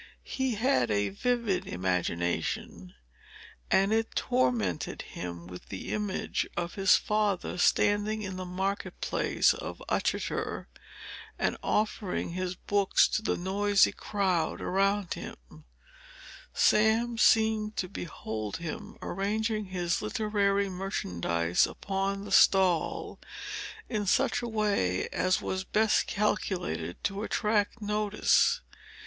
He had a vivid imagination, and it tormented him with the image of his father, standing in the market place of Uttoxeter and offering his books to the noisy crowd around him, Sam seemed to behold him, arranging his literary merchandise upon the stall in such a way as was best calculated to attract notice.